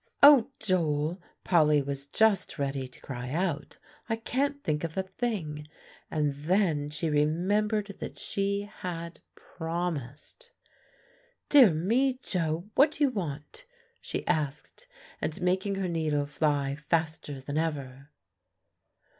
"O Joel" Polly was just ready to cry out, "I can't think of a thing." And then she remembered that she had promised. "Dear me, Joe, what do you want?" she asked, and making her needle fly faster than ever.